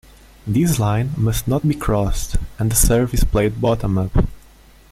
This line must not be crossed and the serve is played bottom-up.